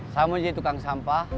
saya mau jadi tukang sampah